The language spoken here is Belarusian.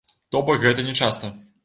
То бок гэта не часта.